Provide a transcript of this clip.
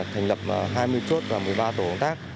thành lập hai mươi chốt và một mươi ba tổ công tác